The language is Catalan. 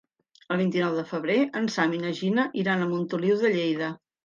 El vint-i-nou de febrer en Sam i na Gina iran a Montoliu de Lleida.